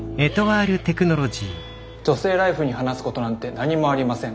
「女性ＬＩＦＥ」に話すことなんて何もありません。